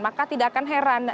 maka tidak akan heran